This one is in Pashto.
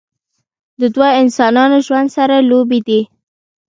د دوه انسانانو ژوند سره لوبې دي